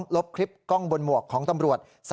ลบคลิปกล้องบนหมวกของตำรวจ